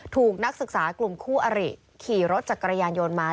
ถูกนักศึกษากลุ่มคู่อริขี่รถจักรยานยนต์มา